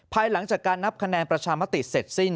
ภายหลังจากการนับคะแนนประชามติเสร็จสิ้น